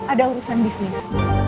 ada urusan bisnis